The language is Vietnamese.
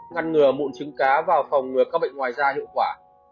ngăn ngừa mụn trứng cá và phòng ngừa các bệnh ngoài da hiệu quả